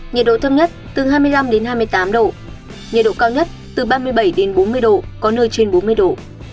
nhiệt độ thấp nhất từ hai mươi năm hai mươi tám độ nhiệt độ cao nhất từ ba mươi bảy đến bốn mươi độ có nơi trên bốn mươi độ